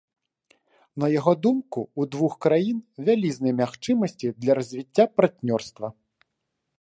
На яго думку, у двух краін вялізныя магчымасці для развіцця партнёрства.